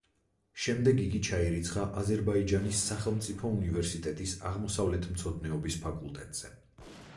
შემდეგ იგი ჩაირიცხა აზერბაიჯანის სახელმწიფო უნივერსიტეტის აღმოსავლეთმცოდნეობის ფაკულტეტზე.